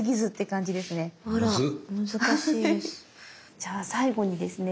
じゃあ最後にですね